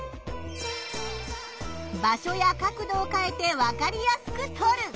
場所や角度を変えてわかりやすく撮る。